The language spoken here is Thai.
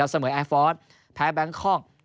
เสมอแอฟฟอร์ตแพ้แบงค์คล่อง